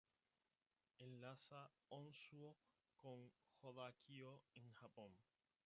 Enlaza Honshū con Hokkaidō en Japón.